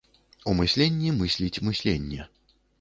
У мысленні мысліць мысленне.